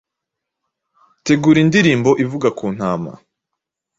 Tegura indirimbo ivuga ku Ntama